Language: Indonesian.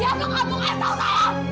siapa kamu astaghfirullahaladzim